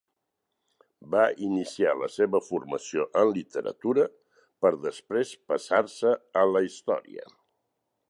Va iniciar la seva formació en literatura per després passar-se a la història.